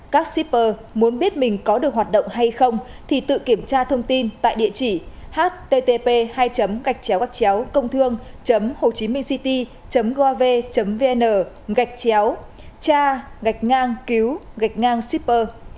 các shipper muốn biết mình có được hoạt động hay không thì tự kiểm tra thông tin tại địa chỉ http côngthuong hcc gov vn cha cứu shipper